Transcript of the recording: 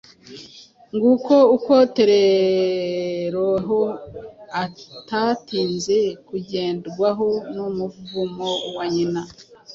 nguko uko tereraho atatinze kugerwaho n’umuvumo wa nyina